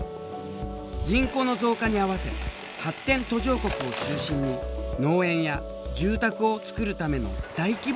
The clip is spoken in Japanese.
人口の増加に合わせ発展途上国を中心に農園や住宅を造るための大規模な開発が進行。